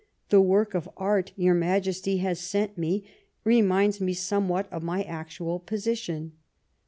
The work of art your Majesty has sent me reminds me somewhat of my actual position.